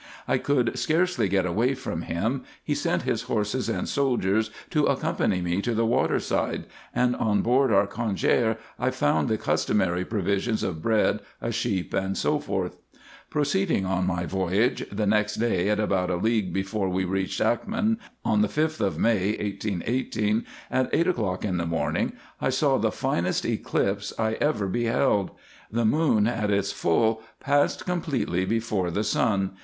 I could scarcely get away from him ; he sent his horses and soldiers to accompany me to the water side ; and on board our cangiar I found the customary provision of bread, a sheep, &c. Proceeding on my voyage, the next day at about a league before we reached Acmin, on the 5th of May, 1818, at eight o'clock in the morning, I saw the finest eclipse I ever beheld. The moon at its full passed completely before the sun.